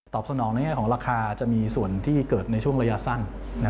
สนองในแง่ของราคาจะมีส่วนที่เกิดในช่วงระยะสั้น